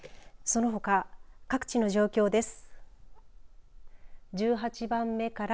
そのほか、各地の状況です。